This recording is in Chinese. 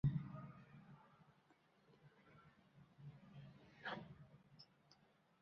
琴形管巢蛛为管巢蛛科管巢蛛属的动物。